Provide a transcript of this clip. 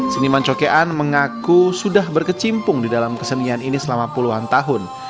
seniman cokean mengaku sudah berkecimpung di dalam kesenian ini selama puluhan tahun